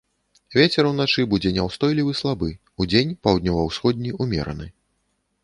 Вецер уначы будзе няўстойлівы слабы, удзень паўднёва-ўсходні ўмераны.